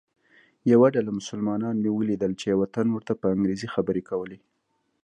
یوه ډله مسلمانان مې ولیدل چې یوه تن ورته په انګریزي خبرې کولې.